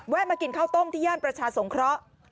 มากินข้าวต้มที่ย่านประชาสงเคราะห์